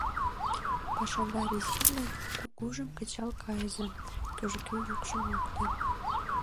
— Пашадар изи гын, кугужым кычал кайыза, — кӱжгӧ йӱкшым лукто.